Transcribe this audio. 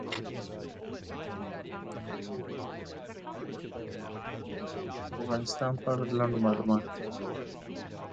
Modern methods of reading palimpsests using ultraviolet light and photography are less damaging.